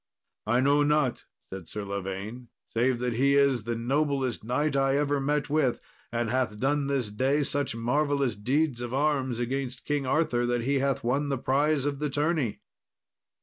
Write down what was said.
"I know not," said Sir Lavaine, "save that he is the noblest knight I ever met with, and hath done this day such marvellous deeds of arms against King Arthur that he hath won the prize of the tourney."